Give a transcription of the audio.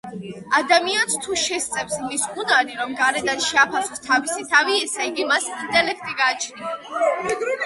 ადამიანს თუ შესწევს იმის უნარი, რომ გარედან შეაფასოს თავისი თავი, ესეიგი მას ინტელექტი გააჩნია